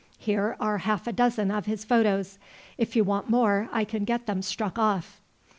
Here are half a dozen of his photos. If you want more I can get them struck off."